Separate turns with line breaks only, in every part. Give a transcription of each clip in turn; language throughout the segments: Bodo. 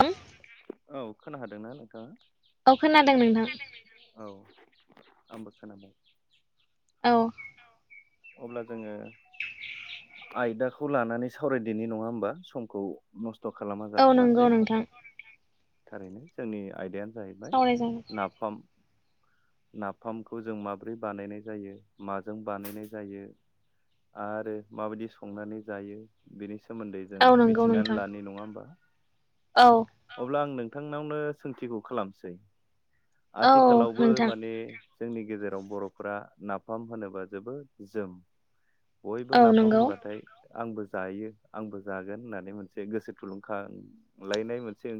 औ
औ खोना हादोंना नोंथाङा
औ खोनादों नोंथां।
औ आंबो खोनाबाय
औ
अब्ला जोङो आयदाखौ लानानै सावरायदेनि नङा होमबा समखौ नस खालामा
औ नंगौ
जालासै
नोंथां
थारैनो जोंनि आयदायानो जाहैबाय
सावरायजागोन
नाफाम। नाफामखौ जों माब्रै बानायनाय जायो माजों बानायनाय ज जायो आरो माबायदि संनानै जायो सोमोन्दै जों
औ नंगौ
मिथिनानै
नोंथां
लानाय नङा होमबा
औ
अब्ला आं नों नोंथांनावनो सोंथिखौ खालामसै
औ
आथिखालावबो
नोंथां
माने जोंनि गेजेराव बर'फोरा नाफाम होनोबा जोबोद जोम बयबो
औ
नाफाम
नंगौ
होनबाथाय आंबो जायो आंबो जागोन होननानै मोनसे गोसो थुलुंख लायनाय मोनसे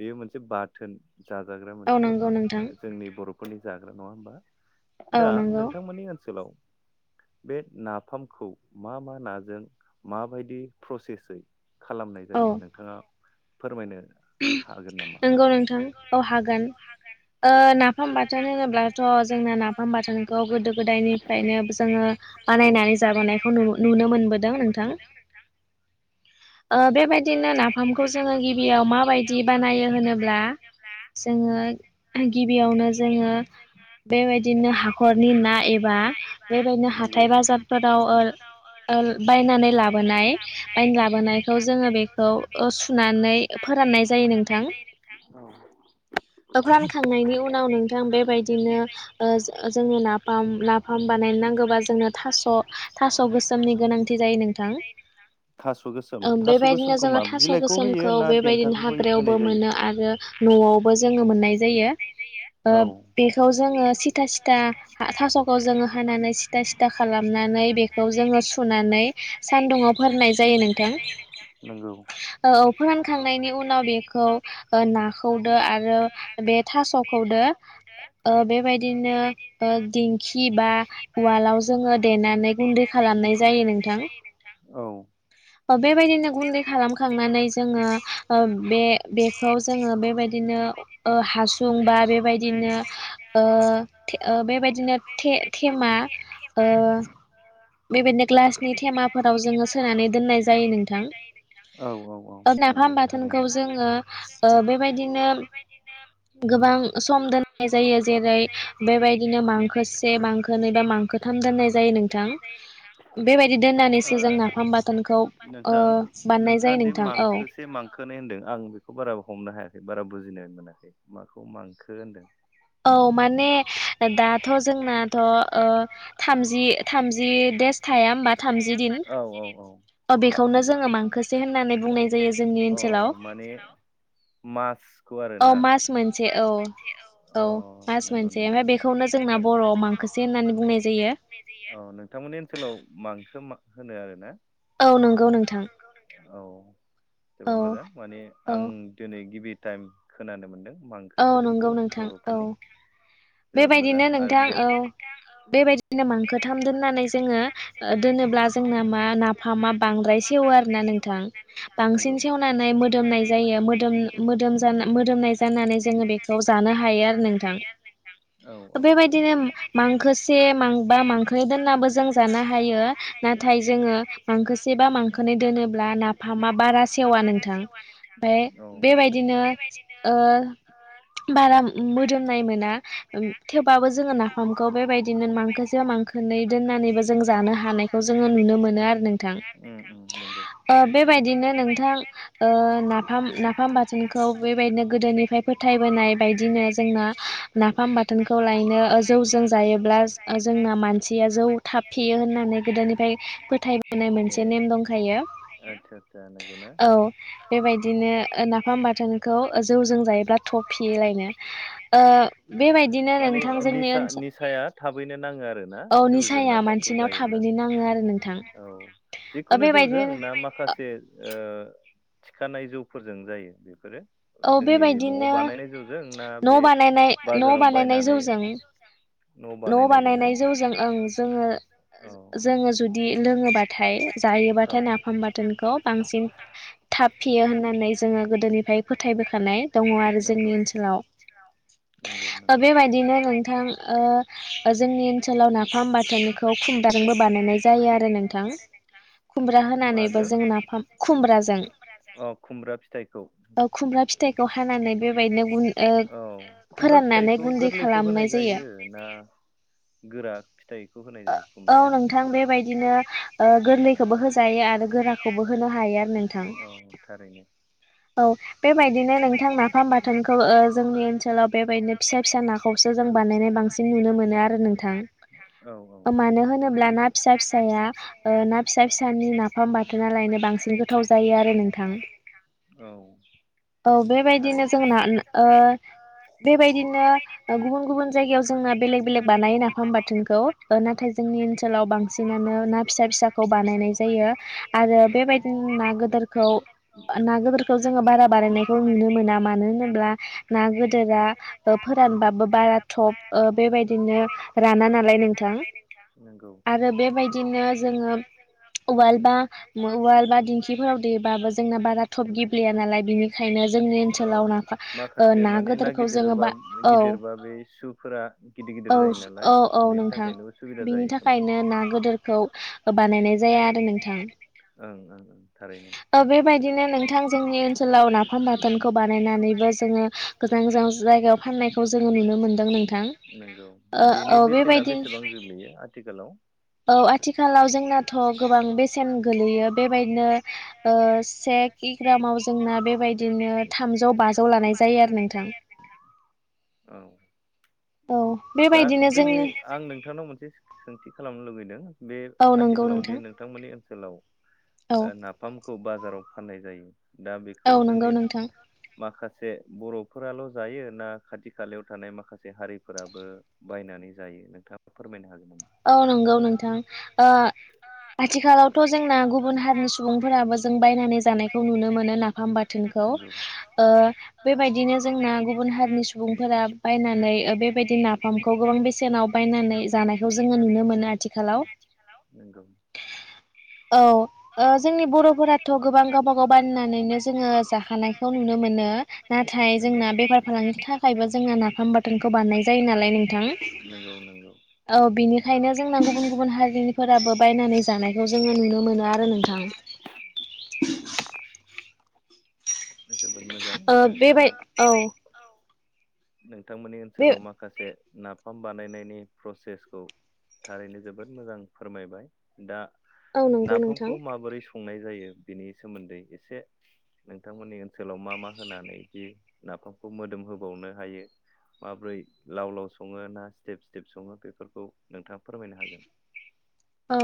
बेयो मोनसे बाथोन जाजाग्रा
औ
मोनसे
नंगौ नोंथां
जोंनि बर'फोरनि जाग्रा नङा हबा
औ
दा
नंगौ
नोंथांमोननि ओनसोलाव बे नाफामखौ मा मा नाजों माबायदि प्रसेसै खालामनाय
औ
जायो नोंथाङा फोरमायनो हागोन नामा?
नंगौ नोंथां औ हागोन नाफाम बाथोन होनोब्लाथ' जोंना नाफाम बाथोनखौ गोदो गोदायनिफ्रायनो जोङो
औ
बानायनानै जाबोनायखौ नुनो मोनबोदों नोंथां बेबायदिनो नाफामखौ जोङो गिबियाव माबायदि बानायो होनोब्ला जोङो गिबियावनो जोङो बेबायदिनो हाखरनि ना एबा बेबायदिनो
नंगौ
हाथाय बाजारफोराव बायनानै लाबोनाय बायना लाबोनायखौ जोङो बेखौ सुनानै फोराननाय जायो नोंथां
औ
फोरानखांनायनि उनाव औ नोंथां बेबायदिनो जोंनो नाफाम नाफाम बानायनो नांगौबा जोंनो थास' थास' गोसोमनि गोनांथि जायो नोंथां।
थास' गोसोम थास'
बेबायदिनो
गोसोमखौ
जोङो
मा
थास'
बिलाइखौ होयो
गोसोमखौ
ना
बेबायदिनो
देन्थाखौ
हाग्रायावबो
होनाय जायो?
मोनो आरो न'आवबो जोङो मोननाय जायो। ओ
औ
बेखौ जोङो। सिथा सिथा थास'खौ जोंङो हानानै सिथा सिथा खालामनानै बेखौ जोंङो सुनानै।
सुनानै
सानदुङाव फोराननाय
सानदुंआव
जायो
फोननाय
नोंथां
जायो नंगौ।
थांनायनि उनाव बेखौ नाखौदो आरो बे थासखौदो। ओ बेबायदि। बिदिनो दिंखि बा उवालाव जोंङो देनानै गुन्दै खालामनाय जायो नों।
बिदि जायो नोंथां औ।
बेबायदिनो गुन्दै खालामखांनानै जोंङो। ओ बे बेखौ जोंङो बेबायदिनो ओ हासुं बा बेबायदिनो।
बिदि नो।
थेबेबायदिनो थे थेमा ओ।
ओ।
बेबायदिनो ग्लासनि थेमाफोराव जोंङो सोनानै दोननाय जायो नोंथां
औ औ औ
ओ नाफाम।
नंगौ
फान
थारैनो।
बाथोनखौ जोंङो बेबायदिनो। गोबां सम दोननाय जायो जेरै। ऐ बेबायदिनो मांखो से मांखोोनै बा मांखोथाम दोननाय जायो नोंथां।
ए नोथां।
बेबायदि दोननानैसो जों नाफाम बाथोनखौ ओ
नोंथां
बानायनाय जायो नोंथां औ।
ए होनदों आं बेखौ बारा हमनो हायाखै बारा बुजिनाय मोनाखै माखौ मांखो होनदों।
औ माने दाथ‌ जोंनाथ‌ थामजि थामजि देस। थायाउमबा थामजि दिन।
औ औ औ
अ बेखौनो
नंगौ
जोंङो मांखोसे होननानै बुंनाय जायो जोंनि
अ
ओनसोलाव।
माने मासखौ
औ
आरोना
मास
औ
मोनसे
मास मोनसे औ।
औ।
औ
मास
नंगौ
मोनसे
नगौ
ओमफ्राय बेखौनो जोंना
बर बुंनाय
बर'आव मांखोसे होननानै बुंनाय जायो
जायो नोंथांमोननि ओनसोलाव। मांखो होनो आरोना।
औ नंगौ नोथां।
औ
औ
जोबोद मोजां माने
औ
आं दिनै गिबि। टाइम खोनानो मोन्दों
औ
मांखो
नंगौ
सोदोबखौ
नोंथां औ
बर'फोरनि। जोबोद मोजां
बेबायदिनो
आरो
नोंथां
दे
औ। बेबायदिनो मांखोथाम दोननानै जोंङो दोनोब्ला जोंना मा नाफामा बांद्राय। सेव आरो ना नोंथां बांसिन
नंगौ
सेवनानै मोदोमनाय जायो मोदोम जानाय मो मो। नायजानानै जोंङो बेखौ जानो हायो आरो। नोथां
औ
बेबायदिनो मांखोसे मां बा मांखो दोननाबो जों जा। जानो हायो नाथाय जोंङो मांखोसे बा मांखो नै दोनोब्ला नाफामा बारा सेवा। नोंथां ओमफ्राय बेबायदिनो ओव
ओ।
बाराम। मोदोमनाय मोना थेवबाबो जोंङो नाफामखौ बेबायदिनो मांखोसेयाव मांखोनै दोननाय।
दोननानैबो जों जानो हानायखौ जोंङो
आरो
नुनो
नोंथां
मोनो आरो नोंथां।
ओ बेबायदिनो नोंथां ओ नाफाम नाफाम बाथोनखौ बेबायदिनो गोदोनिफ्राय। फोथायबोनाय बायदिनो। जोंना नाफाम बाथोनखौ लायनो जौजों जायोब्ला जोंना मानसिया जौ था। थाब फेयो होननानै गोदोनिफ्राय फोथायबोनाय
ए
मोनसे नेम दंखायो।
आदसा आदसा नंगौना
औ बेबायदिनो नाफाम बाथोनखौ जौजों जायोब्ला। थब फेयोलायनो।
माने
ओनसोल
निसाया थाबैनो नांङो आरोना
औ
जौजों
निसाया
नाफामखौ।
मानसिनाव
जायोब्ला
थाबैनो नांङो आरो नोंथां।
औ
ओ
जिखुनु जौजों
बेबायदिनो
ना माखासे ओ। थिखानाय जौफोरजों जायो बेफोरो
औ
जोंनि नआव बानायनाय जौजों ना बे
[unintelligible] नआव
बाजाराव
बानायनाय
बायनानै
जौजों
न'
न'आव
बानायनायजों ना
बानायनाय जौजों ओं जोङो
औ
जोङो जुदि लोङोबाथाय जायोबाथाय नाफाम बाथोनखौ बांसिन थाब फेयो होननानै जोङो गोदोनिफ्राय फोथायबोखानाय दङ आरो
नंगौ
जोंनि ओनसोलाव
नंगौ नंगौ
बेबायदिनो नोंथां ओ जोंनि ओनसोलाव नाफाम बाथोनखौ बानायनाय जायो आरो नोंथां खुमब्रा होनानैबो
माजों
जों नाफाम खुमब्राजों
अ खुमब्रा फिथाइखौ
ओ खुमब्रा फिथाइखौ हानानै बेबायदिनो गुन ओ
औ खुमब्रा
फोराननानै
फिथाइखौ
गुन्दै
गोरलैखौ होनाय
खालामनाय
जायो ना गोरा फिथाइखौ होनाय जायो
औ
खुमब्राया
नोंथां बेबायदिनो ओ गोरलैखौबो होजायो गोराखौबो
आरो
होनो हायो
गोरखौबो
आरो
होनो
नोंथां
हायो औ थारैनो
औ बेबायदिनो नोंथां नाफाम बाथोनखौ ओ जोंनि ओनसोलाव बेबायदिनो फिसा फिसा नाखौसो जों बानायनाय बांसिन नुनो मोनों आरो नोंथां
औ औ
मानो होनोब्ला ना फिसा फिसाया ओ
ना
फिसानि
फिसा
नाफाम
फिसानि
बाथोना
नाफाम
लायनो बांसिन
बाथोनालायनो
गोथाव
बांसिन
जायो आरो
गोथाव जायो
नोंथां
आरो नोंथां औ
औ बेबायदिनो जोंना ओ बेबायदिनो गुबुन गुबुन जायगायाव जोंना बेलेग बेलेग बानायो नाफाम बाथोनखौ नाथाय जोंनि ओनसोलाव बांसिनानो ना फिसा फिसाखौ बानायनाय जायो आरो बेबायदिनो ना गोदोर फोरखौ ना गोदोरखौ जोङो बारा बारायनायखौ नुनो मोना मानो होनोब्ला ना गोदोरा फोरानबाबो बारा थप ओ बेबायदिनो राना नालाय नोंथां
नंगौ
आरो बेबायदिनो जों ओ उवाल बा उवाल बा दिंखिफोराव देबाबो जोंना बारा तब गि ब्लेया नालाय बिनिखायनो जोंनि
औ
ओनसोलाव नाफा
माखासे
ना
माने
गदोरखौ जोङो
गिदिरोबा
बा औ
गिदिरबा बे सुफोरा गिदिर
औ
गिदिर जायो नालाय
औ औ
बेनि
नोंथां
थाखायनो उसुबिदा
बिनि
जायो खोमा
थाखायनो ना गोदोरखौ बानायनाय जाया आरो नोंथां
ओं ओं ओं थारैनो
बेबायदिनो नोंथां जोंनि ओनसोलाव नाफाम बाथोनखौ बानायनानैबो जोङो गोजान गोजान जायगायाव फाननायखौ जोङो नुनो मोनदों नोंथां
नंगौ बेनि
औ
बेसेना
बेबायदि
बेसेबां गोग्लैयो आथिखालाव
औ आथिखालाव जोंनाथ' गोबां बेसेन गोलैयो
[unintelligible]
ग्रामाव जोंना बेबायदिनो थामजौ बाजौ लानाय जायो आरो नोंथां
औ
औ
दा
बेबायदिनो
जोंनि आं नोंथांनाव मोनसे सोंथि खालामनो लुुबैदों बे
औ नंगौ
आथिखालाव दि
नोंथां
नोंथांमोननि ओनसोलाव
औ
नाफामखौ बाजाराव फाननाय जायो दा
औ
बेखौ
नंगौ
जोंनि
नोंथां
माखासे जे बर'फोराल' जायो ना खाथि खालायाव थानाय माखासे हारिफोराबो बायनानै जायो नोंथाङा फोरमायनो हागोन नामा?
औ नंगौ नोंथां ओ आथिखालावथ' जोंना गुबुन हारिनि सुबुंफोराबो जों बायनानै जानायखौ नु नो मोनो नाफाम बाथोनखौ
नंगौ
ओ बेबायदिनो जोंना गुबुन हारिनि सुबुंफोरा बायनानै बेबायदि नाफामखौ गोबां बेसेनाव बायनानै जानायखौ जोङो नुनो मोनो आथिखालाव
नंगौ नंगौ
औ ओ जोंनि बर'फोराथ' गोबां गावबागाव नानै जोङो जाखानायखौ नुनो मोनो नाथाय जोंना बेफार फालांगि थाखायबो जोंना नाफाम बाथोनखौ बानायनाय जायो नालाय नोंथां
औ नंगौ
औ
औ
बिनिखायनो जोंना गुबुन
बेनिखायनो जोंना गुबुन गुबुन
हारिनिफोराबो बायनानै
हारिफोराबो
जानायखौ
बायनानै
जोङो नुनो
जानायखौ जों नु
आरो
मोनो
नोंथां
आरो नोंथां [inaudible] जोबोद मोजां
ओ बेबाय
नोंथाङा
औ
नोंथांमोननि
बे
ओनसोलाव माखासे नाफाम बानायनायनि प्रसेसखौ थारैनो जोबोद मोजां फोरमायबाय दा
औ नंगौ नोंथां
नाफामखौ माबोरै संनाय जायो बिनि सोमोन्दै एसे नोंथांमोननि ओनसोलाव मा मा होनानै जि नाफामखौ मोदोम होबावनो नो हायो। माब्रै लाव लाव सङो ना स्टेप स्टेप सङो बेफोरखौ नोंथाङा फोरमायनो हागोन। [unintelligible]
औ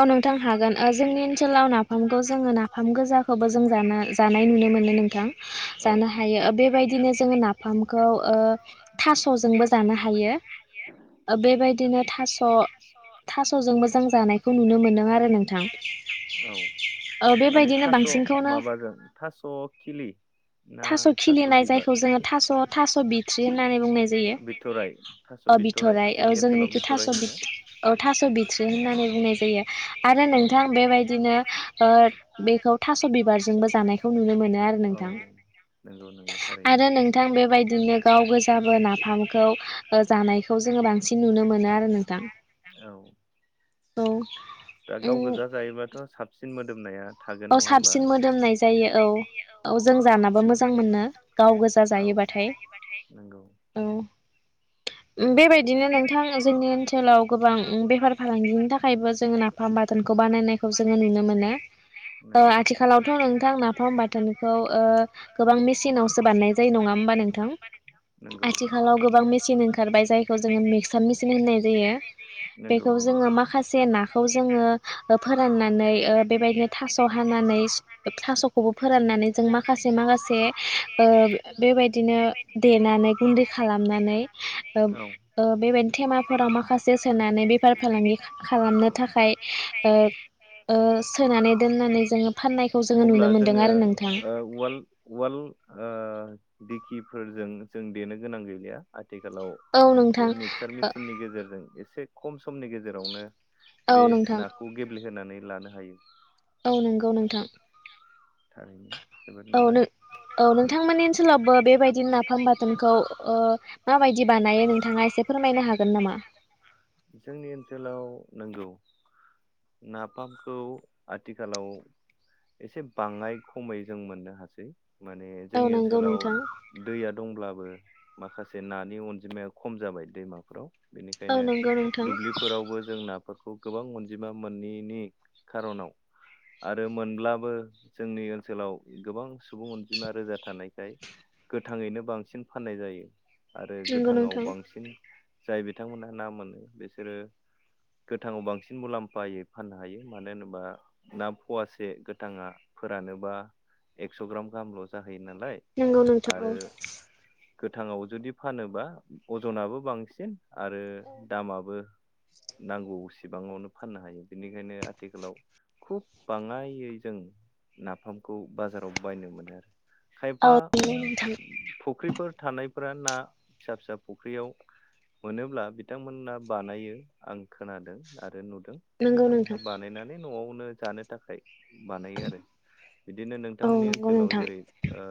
औ नोंथां हागोन ओ जोंनि ओनसोलाव नाफामखौ जोङो नाफाम गोजाखौबो जों जाना जानाय नुनो मोनो नोंथां
औ
जानो हायो ओ बेबायदिनो जोङो नाफामखौ ओ थास'जों नोंबो जानो हायो बेबायदिनो थास' थास'जोंबो जों जानाय खौ नुनो मोनदों आरो नोंथां।
औ
ओ
माने
बेबायदिनो
थास'
बांसिनखौनो
माबाजों थास' खिलि ना
थास' खिलिनाय
बिबार
जायखौ जोङो थास' थास' बिथ्रि होननानै बुंनाय जायो।
बिथ'राइ थास'
ओ
बिथ'राइ
बिथ'राय औ
जोंनि ओनसोलाव
जोंनिखि थास'
बिथ'राइ होनो
बिथ' औ थास' बिथ्रि होननानै बुंनाय जायो आरो
औ
नोंथां बेबायदिनो ओ बेखौ थास' बिबारजोंबो जानायखौ नुनो मोनो आरो
औ
नोंथां।
नंगौ नोंथां।
आरो नोंथां बेबायदिनो गाव गोजाबो नाफामखौ ओ जानायखौ जोंङो बांसिन नुनो मो मोनो आरो नोंथां।
औ
औ
दा गाव
उम
गोजा जायोबाथ' साबसिन मोदोमनाया थागोन
औ
नङा होमबा
साबसिन मोदोमनाय जायो औ। औ जों जानाबो मोजां मोनो गाव गोजा जायोबाथाय।
नंगौ
औ उम बेबायदिनो नोंथां जोंनि ओनसोलाव गोबां उम बेफार फालांगिनि थाखायबो जोङो नाफाम बाथोनखौ बानायनायखौ जोङो नुनो मोनो। ओ
नंगौ
आथिखालावथ' नोंथां नाफाम बाथोनखौ ओ गोबां मेसिनावसो बानायनाय जायो नङा होमबा नों
नङा होमबानोथ'
आथिखालाव गोबां मेचिन ओंखारबाय जायखौ जोङो मिक्सार मेचिन होननाय जायो।
नंगौ
बेखौ
नंगौ
जोङो माखासे नाखौ जोङो ओ फोराननानै ओ बेबायदिनो थास' हानानै थास'खौबो फोरनानै जों माखासे माखासे ओ बेबाय इदिनो देना नै गुन्दै खालामनानै ओ
औ
ओ बेबायदि थेमाफोराव माखासे सोनानै बेफार फालांगि खालामनो थाखाय ओ ओ सोनानै दोननानै जोङो फाननायखौ जोङो
अब्ला
नुनो मोनदों
जोङो
आरो नोंथां
ओ उवाल उवाल ओ दिखिफोरजों जों देनो गोनां गैलिया आथिखालाव।
औ
बे
नोंथां
मिक्सार मेसिननि गेजेरजों एसे खम सम समनि गेजेरावनो
औ
बे
नोंथां
नाखौ गेब्लेहोनानै लानो हायो।
औ नंगौ नोंथां।
ओरैनो जोबोद
औ नों
मोजां।
औ नोंथांमोननि ओनसोलावबो बेबायदि नाफाम बाथोनखौ ओ माबायदि बा
माबायदि बानायो नोंथांङा एसे फोरमायनो हागोन नामा? जोंनि ओनसोलाव नोंगौ नाफामखौ आथिखालाव एसे बाङाय खमै जों मोननो हासै। माने
औ
जोंनि
नंगौ
ओनसोलाव
नोंथां
दैया दंब्लाबो माखासे नानि अनजिमाया खम जाबाय दैमाफोराव।
औ
बेनिखायनो
नंगौ नोंथां
दुब्लिफोरावबो जों नाफोरखौ गोबां मोन जिमा मोनैनि खार'नाव आरो मोनब्लाबो जोंनि ओनसोलाव गोबां सुबुं अनजिमा रोजा थानायखाय गोथाङैनो बांसिन फाननाय जायो आरो
नंगौ
गोथाङाव
नोंथां
बांसिन जाय बिथांमोनहा ना मोनो बिसोरो गोथांआव बांसिन सिन मुलाम्फायै फाननो हायो मानो होनोबा ना फवासे गोथांङा फोरानोबा एस' ग्राम गाहामल जाहैयो नालाय
नंगौ नोंथां औ
गोथांङाव जुदि फाननोबा अजनाबो बांसिन आरो दामाबो नांगौ बिबांङावनो फाननो हायो बेनिखायनो आथिखालाव खुब बाङायै जों नाफामखौ बाजाराव बायनो मोनो आरो
औ
खायफा
नंगौ नोंथां
फुख्रिफोर थानाय फोरा ना फिसा फिसा फुख्रियाव मोनोब्ला बिथांमोना बानायो आं खोनादों आरो नुदों
नंगौ
बिथांमोनहा
नोंथां
बानायनानै न'आवनो जानो थाखाय बानायो आरो बिदिनो
औ
नोंथांमोननि
नंगौ
ओनसोलाव
नोंथां
जेरै ओ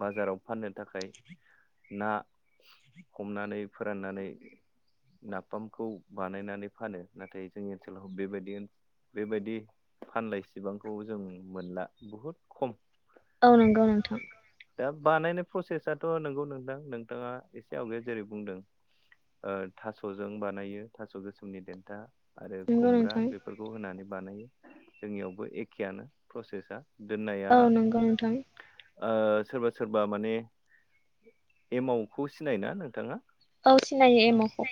बाजाराव फाननो थाखाय ना हमनानै फोराननानै नाफामखौ बानायनानै फानो नाथाय जोंनि ओनसोलाव बेबायदि बेबायदि फानलाय सिबांखौ जों मोन दा बहुत खम
औ नंगौ नोंथां
दा बानायनाय प्रसेसथ' नोंगौ नोंथां नोंथाङा एसे आवगायाव जेरै बुंदों ओ थास'जों बानायो थास' गोसोमनि देन्था आरो
नंगौ
खुमब्रा
नोंथां
बेफोरखौ होनानै बानायो जोंनियावबो एखेयानो प्रसेसा दोननाया
औ नंगौ नोंथां
ओ सोरबा सोरबा माने एमावखौ सिनायो ना नोंथाङा
औ सिनायो एमावखौ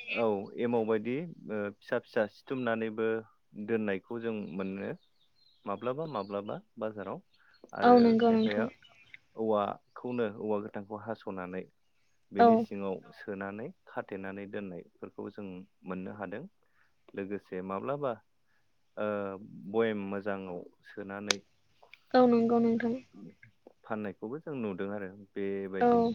एमावबायायदि ओ फिसा फिसा सिथुमनानैबो दोननायखौ जों मोनो माब्लाबा माब्लाबा बाजाराव
औ
आरो
नंगौ
खायफाया
नोंथां
औवाखौनो औवा गोथांखौ हास'नानै
औ
बेनि सिङाव सोनानै खाथेनानै दोननायफोरखौ जों मोननो हादों जों लोगोसे माब्लाबा ओ भयेम मोजांङाव सोनानै
औ नंगौ नोंथां
फाननायखौबो जों नुदों आरो
औ
बेबायदिनो